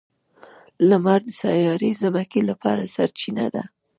• لمر د سیارې ځمکې لپاره سرچینه ده.